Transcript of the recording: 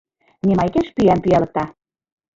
Немайкеш пӱям пӱялыкта.